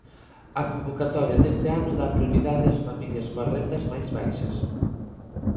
A convocatoria deste ano dá prioridade ás familias coas rendas máis baixas.